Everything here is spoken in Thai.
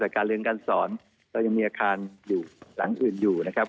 แต่การเรียนการสอนเรายังมีอาคารอยู่หลังอื่นอยู่นะครับ